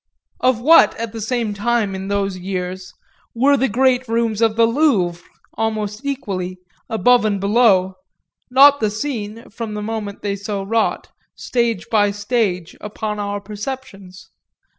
Of what, at the same time, in those years, were the great rooms of the Louvre almost equally, above and below, not the scene, from the moment they so wrought, stage by stage, upon our perceptions?